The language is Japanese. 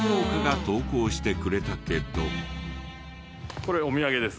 これお土産です！